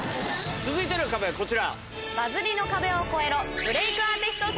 続いての壁はこちら。